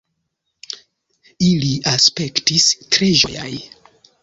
Ili aspektis tre ĝojaj.